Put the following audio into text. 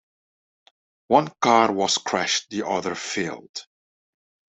One car was crashed, the other failed.